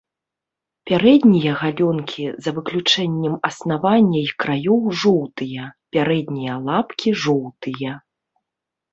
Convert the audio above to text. Пярэднія галёнкі за выключэннем аснавання і краёў жоўтыя, пярэднія лапкі жоўтыя.